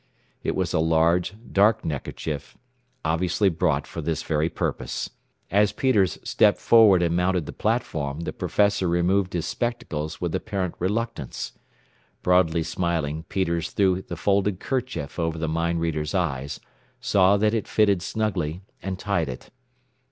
It was a large, dark neckerchief, obviously brought for this very purpose. As Peters stepped forward and mounted the platform the professor removed his spectacles with apparent reluctance. Broadly smiling, Peters threw the folded kerchief over the mind reader's eyes, saw that it fitted snugly, and tied it.